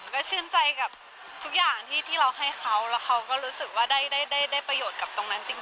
ก็ชื่นใจกับทุกอย่างที่เราให้เขาแล้วเขาก็รู้สึกว่าได้ประโยชน์กับตรงนั้นจริง